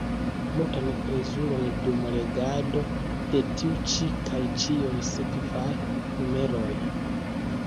Multan plezuron dum legado de tiu ĉi kaj ĉiuj sekvaj numeroj!